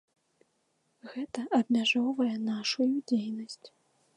Гэта абмяжоўвае нашую дзейнасць.